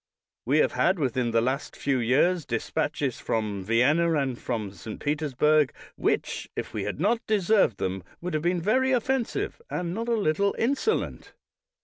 We have had within the last few years despatches from Vienna and from St. Petersburg, which, if we had not de served them, would have been very offensive and not a little insolent.